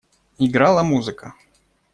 Играла музыка.